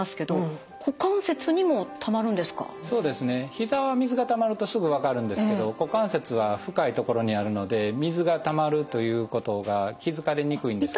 膝は水がたまるとすぐ分かるんですけど股関節は深い所にあるので水がたまるということが気付かれにくいんですけど。